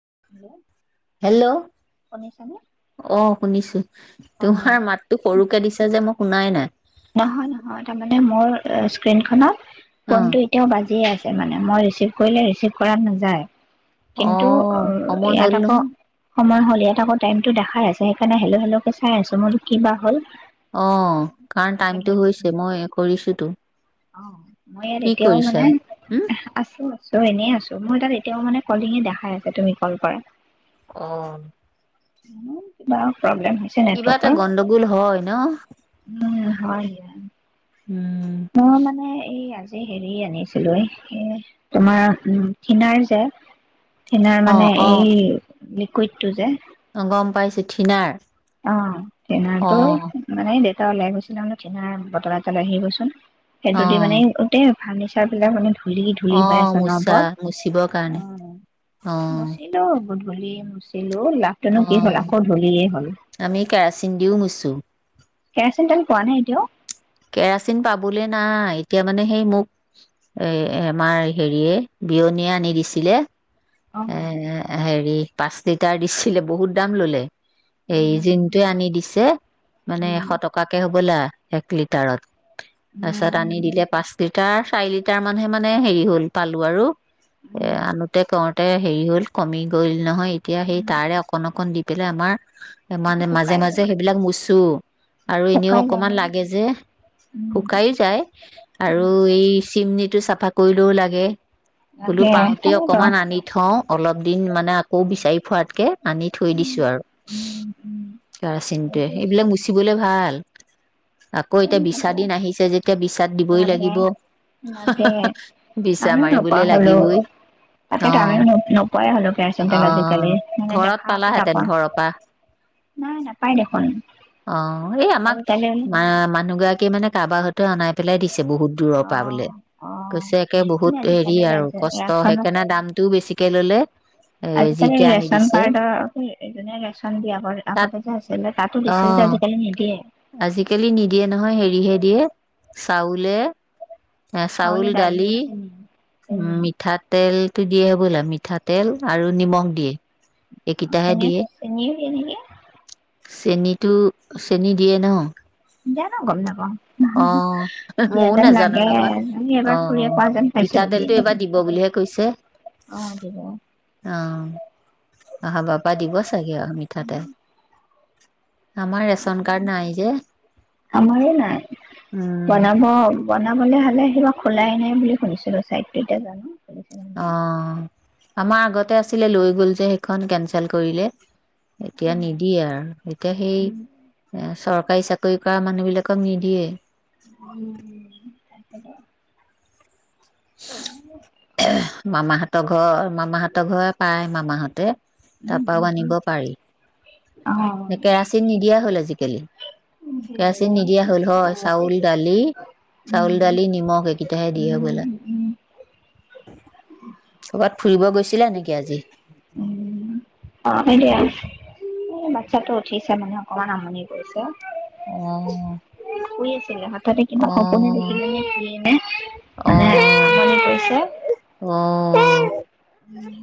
[inaudible] Hello শুনিছানে? অ শুনিছো তোমাৰ অ', মাতটো সৰুকে দিছে যে মোক শুনাই নাই নহয় নহয় তাৰমানে মোৰ স্ক্ৰীনখনত অ ফোন টো এতিয়াও বাজিয়ে আছে মানে মই কৰিলে ৰিচিভ কৰা নাযায় অ কিন্তু অ সময় হ'ল ইয়াত আকৌ নহয় সময় হ'ল ইয়াত আকৌ টাইম দেখাই আছে সেই কাৰণে হেল্ল হেল্লকোই আছো মোৰো কি বা হ'ল অ কৰ তাকে টাইমটো ধৰিব পৰা নাই। হৈছে মই কৰিছো তো অ', মই ইয়াত কি কৰিছা উম চ' এনেই আছো মোৰ তাত এতিয়াও মানে কলিঙ দেখাই আছে তুমি কল কৰা অ উম কিবা এটা গণ্ডগোল হয় ন [unintelligible] উম মোৰ মানে এই এই হেৰি আনিছিলো এ তোমাৰ উ খনিনাৰ চে হিনাৰ অ মানে এই লিকুইড টো যে অ গম পাইছো টিনাৰ অ একাউণ্ট টো মানে দে এটা ওলাই গৈছিলে মানে টিনাৰ বটল এটা লৈ আহি গৈচোন সেইটো দি মানে উঠে ফাৰনিছাৰৰবিলাক মানে ধূলি ধূলি হৈ আহ আছে মোচা অনবৰত মোচিবৰ কাৰণে অ গধুলিয়ে মুচি লাভনো অ কি হল আকৌ ধুলিয়ে হ'ল আমি কেৰাচিন দিওঁ মুচোঁ কেৰাছিন তেল পোৱা নাই এতিয়াও কেৰাচিন পাবলে নাই এতিয়া মানে সেই মোক এ আমাৰ হেৰিয় বিয়নীয়ে আনি দিছিলে অ হেৰি পাঁচ লিটাৰ দিছিলে বহুত দাম ললে এই উম জিন্টীটয়ে আনি দিছে মানে উম এশ টকাকে হ'বলা এক লিটাৰত পাছত উম আনি দিলে পাঁচ লিটাৰ চাৰি লিটাৰ মানহে মানে হেৰি হল পালো আৰু এ উম আন তে কন তই হেৰি হ'ল কমি গ'ল নহয় তেতিয়া সেই উম তাৰে অকন অকণ দিম এই পেলাই আমাৰ আকৌ মানে মাজে শুকাই মাজে যায় সেইবিলাক মোচো আৰু এনেও শুকাই যায় অকমান নহয় লাগে যে উম শুকাইও যায় আৰু উম এই চিমিত টো চাফা কৰিলেও লাগে বোলো তাকে পাওঁতে তাকেতো অকমান আনি অলপ দিন মানে আকৌ বিচাৰি ফোৱাতকে আনি থৈ উম দিছো আৰু উম উম কেৰাচিনটোৱে সেইটোৱেইটো। এইবিলাক মুচিবলে ভাল আকৌ এতিয়া বিছা দিন লাগে আহিছে যেতিয়া বিচাত দিবই লাগিব লাগে বিছা আমিও নোপোৱা মাৰিবলৈ হলো লাগিবই অ তাকেতো আমিও নোপোৱাই হলো কেয়াৰ অ চেণ্টেল আজিকালি মানে ঘৰত দেখাতটো পালাহেঁতেন নাপাওঁ ঘৰৰ পৰা নাই নাপায় দেখোন অ এই আমাক আজিকালি অ মানুহগৰাকীয়ে মান কাৰোবাৰ সতে অনাইেলাই দিছে বহুত দূৰৰ অ পৰা বোলে অ কৈছে একে বহুত দূৰৰ পৰা কিন্তু বহুত হেৰি আজিকালি আৰু কষ্ট ৰাচনত সেইকাৰণে দামটোও বেছিকে ললে এ আজিকালি জিতিয়া আনি ৰেচন দিছে কাৰ্ডৰ যোনে ৰেচন দিয়ে আগৰ তাত আগতে যে আছিলে তাতো অ দিছিল যে আজিকালি নিদিয়ে আজিকালি নিদিয়ে নহয় হেৰি দিহে দিয়ে চাউলে এ চাউল দালি উ চেনি মিঠাতেল নি দিয়েহে বোলা মিঠাতেল আৰু নিমখ দিয়ে এইকেইটাহে চেনি দিয়ে চেনি নিদিয়ে চেনীতটো চেনী দিয়ে ন দিয়া না কথা অ ময়ও নাজানো লাগে নহয় আমি এবাৰ খুৰীয়ে আহ কোৱা যেন পাইছিলো দিয়ে মিঠাতেলটো নেকি এইবাৰ দিব বুলিহে কৈছে অ দিব অ আহা বাবা দিৱস চাগে আৰু মিঠাতে আমাৰ ৰেচন কাৰ্ড নাই যে আমাৰো নাই উম বনাব বনাবলে হ'লে কিবা খোলাই নাই বুলি শুনিছিলো চাই কতিয়া জানো খুলিছে নে অ আমাৰ আগতে আছিলে লৈ গ'ল যে সেইখন কেনচেল কৰিলে এতিয়া নিদিয়ে আৰু এতিয়া সেই এ নাই। চৰকাৰ চৰকাৰী চাকৰি কৰা মানুহ বিলাকক নিদিয়ে উ ত উম মামাহঁতৰ ঘৰ মামাহঁতৰ ঘৰে পায় মামাহঁতে উম উম তাপাও আনিব পাৰি কেৰাচিন নিদিয়া হ'ল আজি কেলে কেৰাচিন নিদিয়া হল হয় চাউল দালি চাউল দালি নিমখ এইকেইটাহে দিয়ে হবলা। উম উম কৰ'বাত ফুৰিব গৈছিলা নেকি আজি? এ বাচ্ছাটো উঠিছে মানে অকমান আমনি কৰিছে। অঁ শুই আছিলে। তাতে কিবা সপোনে অঁ দেখিল নে কিয়ে নে মানে মানে অঁ আমনি কৰিছে। অ। উম।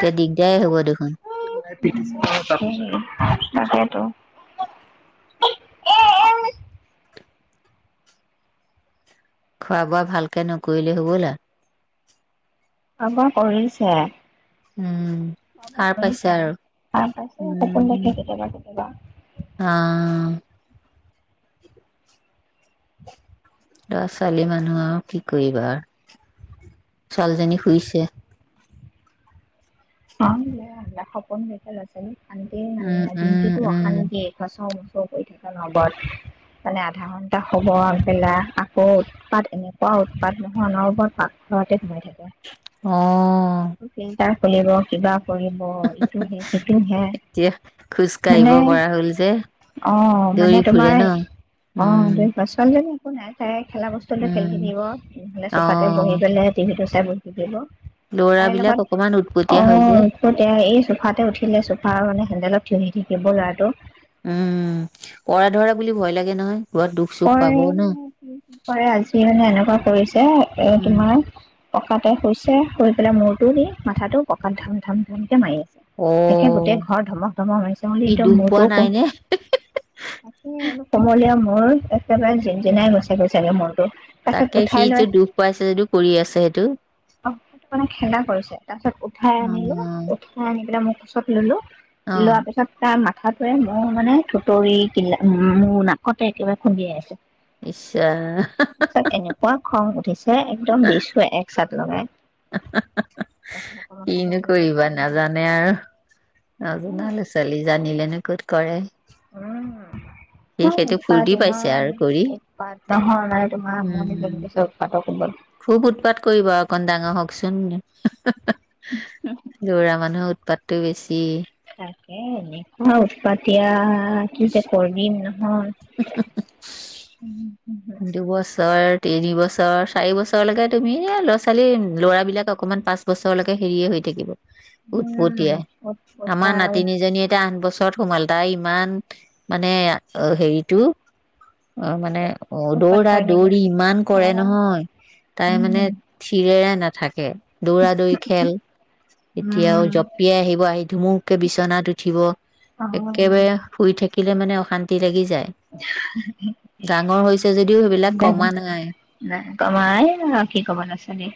এতিয়া দিগদাৰে হ'ব দেখোন। তাকেইতো। খোৱা বোৱা ভালকে নকৰিলে হ'বলা। আমাৰ কৰিছে। উম। খোৱা বোৱা সাৰ পাইছে কৰিছে আৰু সাৰ পাইছে সপোন দেখে কেতিয়াবা কেতিয়াবা। অঁ ল'ৰা ছোৱালী মানুহ আৰু কি কৰিবা ছোৱালীজনী শুইছে। হ খাপন বেট ল আছে শান্তিয়ে মানে উম নাই উম দিনটোতো উম অশান্তিয়ে খোৱা চাও থাকে ন্বদ মানে আধা ঘন্টা হব পেলা আকৌ উৎপাত এনেকুৱা উৎপাত নোহোৱা অনবৰতে পাকঘৰতে সমাই থাকে অ চিন্তা খুলিব কিবা কৰিব ইটোহে সীটোহে এতিয়া খোজ কাঢ়িব মানে পৰা হ'ল যে অ দৌৰি মানে ফুৰে তোমাৰ ন অ উম দুই বছৰ ল একো নাখাই খেলা বস্তুটো খেলি উম থাকিব নহলে অ চুফাতে বহি পেলাই টিভি টো ব হি থাকিব। লৰাবিলাক অকমান উটকট অঁ এই চোফাতে উঠিলে চোফা মানে হেণ্ডেলত থিয় দি কেবল আৰ্ট। উম কৰা ধৰা বুলি ভয় লাগে নহয়। ঘৰত দুখ চুখ কৰে পাব ন কি কি কৰে আজি মানে এনেকুৱা কৰিছো। যে এ উম তোমাৰ পকাতে শুইছে শুই পেলাই মূৰটো দি মাথাটো পকাত ধাম ধাম ধামকে মাৰি আছে। অ তাকে গোটেই ঘৰত ধমক ধমক মাৰিছে বুলি সি কি দুখ মোৰ পোৱা টোও নাই নে তাকে বৰ কোমলীয়া মোৰ একেবাৰে জিনজিনাই গৈছেগৈ চেনেও মন তাৰপিছত তাকে উঠাই লৈ সিটো দুখ পাইছে যদিও কৰি আছে সেইটো মানে খেন্দা কৰিছে তাৰ পিছত উঠাই আনিলো অ উঠাই আনি পেলাই মোক পাছত ললোঁ অ লোৱা পিছত তাৰ মাঠা মাথাটোৱে মোৰ মানে থুতৰি মোৰ নাকতে কিবা খুন্দিয়াই আছে আচ্ছা হা হা যে একদম দিছো এক চাত অ কিনো সময়ৰ পিছত কৰিবা ভাল হ'ল নাজানে আৰু নজনা উম ল'ৰা ছোৱালী জানিলেনো ক'ত কৰে সি উম সেইটো উৎপাত ফূৰ্তি পাইছে ইমান আৰু কৰি উৎপাত নহয় নাই তোমাৰ আমনি উম যোগাইছে উৎপাতক খুব উৎপাত কৰিব আৰু অকণ ডাঙৰ হওকচোন দৌৰা মানুহ উৎপাটো বেছি এই এনেকোৱা উৎপতিয়া কি যে কৰিম নহয় অ উ উ দু বছৰ তিনি বছৰ চাৰি বছৰলৈকে তুমি এ ল'ৰা ছোৱালী ল'ৰাবিলাক অকণমান পাঁচ বছৰলৈকে হেৰিয়ে হৈ থাকিব উৎপতিয়াই আমাৰ উৎপতা নাতিনীজনী এতিয়া আঠ বছৰ ত সোমাল তাই ইমান মানে হেৰিটো অ মানে উৎপাত দৌৰা কৰে নেকি দৌৰি ইমান অ কৰে নহয় তাই মানে উম থিৰেৰে নাথাকে দৌৰা দৌৰি খেল এতিয়াও উম জপিয়াই আহিব আহি ধুমুকে বিচনাত উঠিব অ একেবাৰে শুই থাকিব মানে অশান্তি লাগিছে ডাঙৰ হৈছে যদিও সেইবিলাক কমা নাই ডাঙৰ কমাই কি কবা নাচনি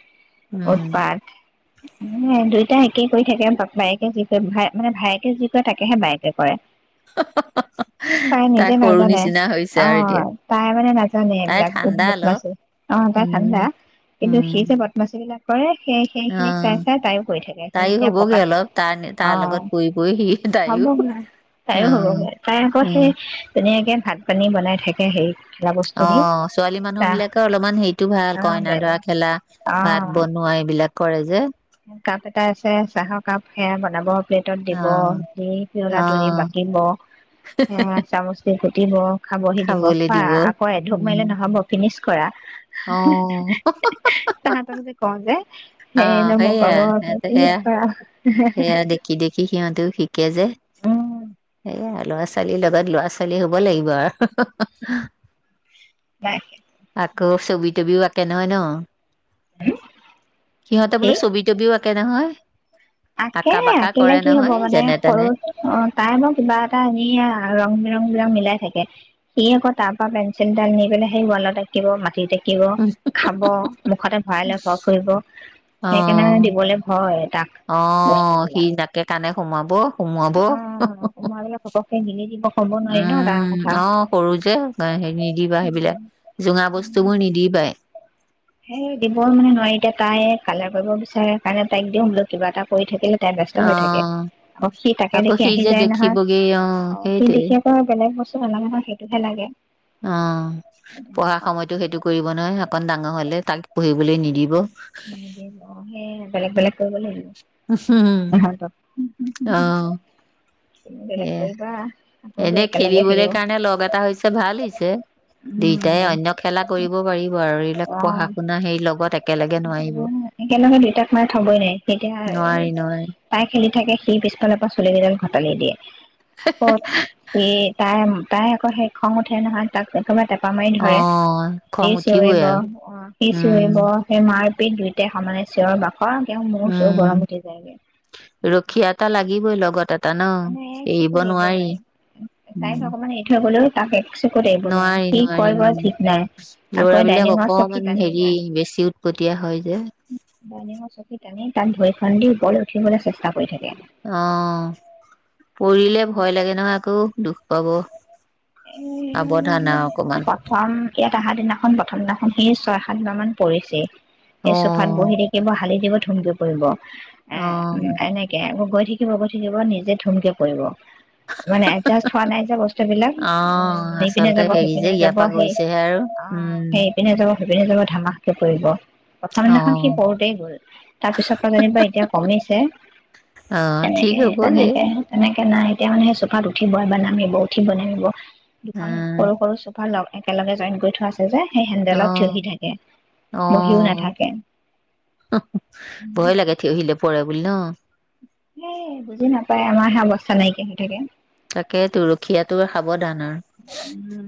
উম উৎপাত দুয়োটা একেই কৰি থাকে বায়েকে যি কয় মানে ভায়েকে যি কৰে তাকেহে বায়েকে কৰে হা তাই হা নিজে হা নাজানে অ তাই মানে নাজানে তাই এইবিলাক ঠাণ্ডা অলপ বদমাচি অ তাই উম ঠাণ্ডা কিন্তু উম সি যে বদমাচি [unintelligible] কৰে সেই সেই অ সেই চাই চাই তাইও কৰি থাকে সেই তাইও এতিয়া হ'বগে পকাত অলপ তাৰ অ তাৰ লগত পৰি পৰি সি হ'ব তাইও অ তাইও সৰু হৈ তাই আক উম ধুনীয়াকে ভাত পানী বনাই থাকে সেই অ ছোৱালী মানুহ বিলাকৰ অলপমান হেৰিতটো ভাল অ' কইনা দৰা বেলেগ খেলা ভাত অ' বনোৱা এইবিলাক কৰে যে কাপ এটা আছে চাহৰ কাপ সেয়া বনাব প্লেটত অ দিব পিয়লা অ তৰি বাকিব এ চামুচ পাতিব খাবহি দিব খোৱা আকৌ এধোক মাৰিলে উম নহব ফিনিচ কৰা অ হে হে হা তাহাঁতক যে হা কওঁ যে সেই নহয় সেয়াে সেয়া সেয়া দেখি দেখি সিহতে সি হিকে জে আহ এইয়া ল'ৰা ছোৱালীৰ লগত লৰা ছোৱালী হ'ব লাগিব আৰু বাই আকৌ ছবি তবিও আঁকে নহয় ন সিহঁতে বোলো কি ছবি তবিও আকে আকে নহয় আঁকে আঁকা বাকা আঁকিলে কৰে কি হব নহয় মানে যেনে সৰু তেনে অ তাই কিবা এটা এনে ৰং বিৰং বিলাক মিলি থাকে সি আকৌ তাৰ পৰা পেঞ্চিলডাল নি পেলাই সেই ৱালত আঁকিব মাটিত আঁকিব দিব খাব মুখতে ভৰাই লৈ ঘৰ ফুৰিব অ সেইকাৰণে দিবলৈ ভয় তাক বস্তু বিলাক মানে সোমাব সুমুৱাব তে মেলি দিব ক'ব নোৱাৰি ন তাৰ উম কথা অ সৰু যে হে নিদিবা সেইবিলাক জোঙা বস্তুবোৰ নিদিবা হে দিব মানে নোৱাৰি এতিয়া তাই কালে কৰিব বিচাৰে কাৰণে তাইক দিওঁ বোলো কিবা এটা কৰি থাকিলে ব্যস্ত অ হৈ থাকে আকৌ সি তাকে আকৌ দেখি সি আহি যে যায় নহয় দেখিবগে অ সি সেইটোৱে দেখি পৰা বেলেগ বস্তু নহয় সেইটোহে লাগে অ পঢ়া তেনেকুৱা সময়তো সেইটো কৰিব নোৱাৰি ন অকণ ডাঙৰ হ'লে তাক পঢ়িবলৈ নিদিব অ সেই বেলেগ বেলেগ কৰিবলে দিওঁ [unintelligible] এয়া গৈ এনেই একেলগে খেলিবলৈ থাকিব কাৰণে লগ এটা হৈছে ভাল হৈছে। দুয়োটাই উম অন্য খেলা কৰিব পাৰিব আৰু অ এইবিলাক পঢ়া শুনা হেৰি লগত একেলগে নোৱাৰিব একেলগে দুয়োটাক থবই নোৱাৰি, তেতিয়া নোৱাৰি নোৱাৰি তাই খেলি থাকে সি পিছফালৰ পৰা চুলিকেইডাল ঘটালি দিয়ে। এহ তাই তাই আকৌ সেই খং উঠে নহয় তাক একেবাৰে হেচামাৰি অ ধৰে সি খং উঠিবই চিঞৰিব আৰু অহ সি উম চিঞৰিব সেই মাৰ দুয়োটাই সমানে চিঞৰ বাখৰ হয় তেওঁ মোৰ চোৰ উম গৰম উঠি যায়গে। ৰখীয়া এটা লাগিবই লগত এটা ন মানে এক চিকুত এৰিব নোৱাৰি উম তাইক অকমান এৰি থৈ গ'লেও তাকে নোৱাৰি নোৱাৰি অহ নাই আকৌ ল'ৰাবিলাক ডাইনিঙৰ চকী অকমান টানিব হেৰি বেছি উৎপটিয়া হয়। যে ডাইনিঙৰ চকী টানি তাত ধৰি ওপৰলৈ উঠিবলৈ চেষ্টা কৰি থাকে। অহ পৰিলে ভয় লাগে নহ আকৌ দুখ হব এহ প্ৰথম ইয়াত অহা দিনাখন প্ৰথম দিনাখন সেই ছয় সাত দিনা মান পৰিছে অ সেই চোফাত বহি থাকিব হালি দিব ধুমকে পৰিব অ এহ উম এনেকে আকৌ গৈ থাকিব থিয় হব থাকিব নিজে ধুমকে পৰিব মানে এডজাষ্ট হোৱা নাই যে বস্তু বিলাক অ ইপিনে আচলতে যাব হেৰি সিপিনে যে ইয়াৰ যাব পৰা সেই গৈছেহে আৰু অহ উম সেই ইপিনে যাব সিপিনে যাব ধামাকে পৰিব। প্ৰথম অ দিনাখন সি পৰোতে গ'ল তাৰ পিছৰ পৰা যেনিবা এতিয়া কমিছে অ ঠিক তেনেকে হ'বগে তেনেকে তেনেকে এতিয়া নাই এতিয়া সেই চোফাত উঠিব বা নামিব উঠিব নামিব দুখন উম সৰু সৰু চোফা লগ একেলগে জইন কৰি থোৱা আছে যে সেই অ হেণ্ডেলত থিয়হি থাকে অ বহিও নাথাকে ভয় লাগে থিয়হিলে পৰে বুলি নহ এয়াই বুজি নাপায়, আমাৰ হে ব চানাইকিয়া হৈ থাকে তাকে তুলসীয়াটোৰ সাৱধানৰ উম।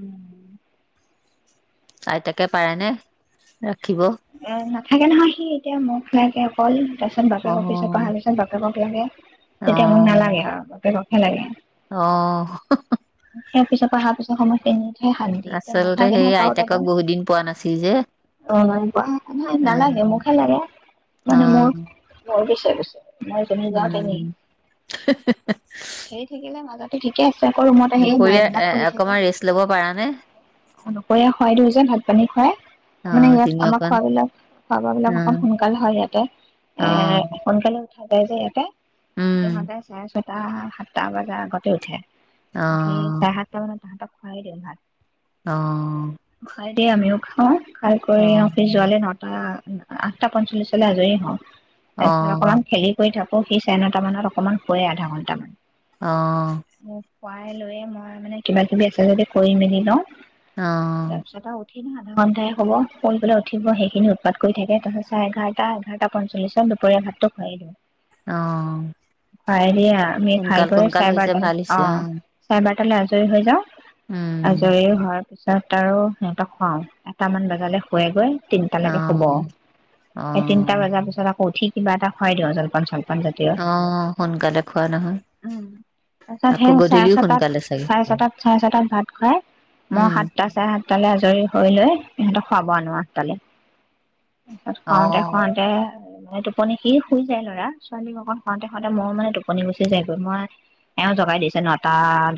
আইতাকে পাৰে নে উম হ থাকে নহয় সি এতিয়া মখ লাগে‌ অকল তাৰপিছত অ বাপেক অফিচৰ পৰা তাৰপিছত তাকেহে তেতিয়া মোক নালাগে আৰু বাপেকক হে লাগে অঁ হহহ সেই পিছত অহাৰ পিছ সময়খিনি শান্তি এতিয়া আচলতে নাথাকে সেই নহয় কাৰো লগত তাতে আইতাকক বহুত দিন পোৱা নাছিল যে ৰ ন নালাগে উম মোকহে লাগে অ মানে মোৰ মোৰ প নিশ্চয় নাই তুমি যাওঁ তেনি উম সেই থাকিলে মাজত ঠিক আছে সেই দুপৰীয়া লৰাবলাক এ খুলি থাকে অকমান ৰেষ্ট ল'ব পাৰা নে? দুপৰীয়াৰ হয়ত যেন ভাত পানী খুৱায় অ মানে ইয়াত তিনি আমাৰ অকণ খোৱাবিলাক খোৱা বোৱা বিলাক অ অকমান সোনকালে হয় ইয়াতে এ অ সোনকালে থৈ যা ইয়াতে উম এহতে চাই চোন সাতটা সাতটা বজাৰ আগতে উঠে অ উঠি চাহ চোন তাহ ত খুৱাই ন অঁ সেই আমিও খাওঁ ভাল কৰি অফিচ যোৱালে নহ আঠটা পঞ্চল্লিছলৈ আজৰি হওঁ তাৰ পিছত অ অকনমান খেলি কৰি থাকো অঁ সি চাৰে নটা মানত অকণমান শুৱে, আধা ঘণ্টা মান আঁহ খোৱাই লৈয়ে, মই মানে কিবা কিবি আছে যদি কৰি মেলি লওঁ আঁহ তাৰপিছত আৰু উঠি ন আধা ঘণ্টাই হ'ব, শুলৈ উঠিব সেইখিনি উৎপাত কৰি থাকে তাৰিছ চ এঘাৰটা-এঘাৰটা পঞ্চল্লিছত দুপৰীয়া ভাতটো খোৱাই দিওঁ। ভাই দয়া, আমি খাই সোনকাল কৰি সোনকাল হৈছে সৰে-বাৰ্তা ভাল হোৱাই হৈছে অ আৰু। চাইবাৰ তালৈ আজৰি হৈ যাওঁ উম আজৰি হয় তাৰপিছত আৰু, সিহঁতক খুৱাওঁ, এটামান বজালে শুৱেগৈ অ তিনটালৈকে হুব, অ স তিনটা বজাৰ পিছত আকৌ ঠিক কিবা এটা খাই দিওঁ জলপান চল অ সোনকাল দেখওুৱা নহয়। তাৰপিছত আকৌ সেই গ চাৰে ছটাত-চাৰে ছটাত-চাৰে ছটাত ভাত খুৱাই মই উম সাতটা, চাৰে সাত তালে আজৰি হৈ লৈ ইহঁতক খুৱাব আনো আঠ'টা লে। ভাত অ খুৱওতে-খুৱওঁতে টোপনি সি শুই যায়, ল'ৰা ছোৱালীককন হোওঁতে-হোওঁতে মো মানে টোপনি গুচি যায় গৈ, মই এওঁ জগাই দিছে ন এটা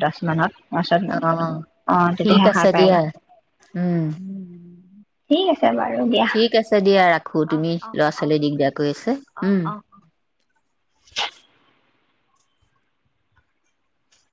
দচ মানত অ, অ' ঠিক তেতিয়াহে সাৰ আছে পাই দিয়া। উম, ঠিকে ঠিক আছে দিয়া ৰাখো, তুমি--ল'ৰা ছোৱালীয়ে দিগদেয়া কৰি আছে। উম অ-অ-অ